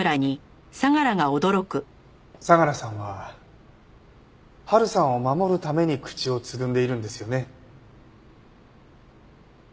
相良さんは波琉さんを守るために口をつぐんでいるんですよね？